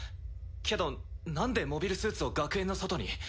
けどなんでモビルスーツを学園の外に？